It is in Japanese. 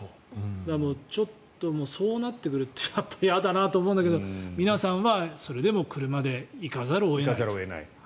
ちょっとそうなってくるとやっぱり嫌だなと思うんだけど皆さんはそれでも車で行かざるを得ないという。